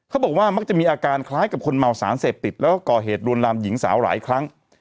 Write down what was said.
มักจะมีอาการคล้ายกับคนเมาสารเสพติดแล้วก็ก่อเหตุลวนลามหญิงสาวหลายครั้ง